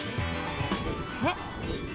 えっ？